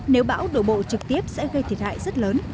nếu bão đổ bộ trực tiếp sẽ gây thiệt hại rất lớn